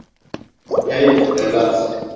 Hey, evlat!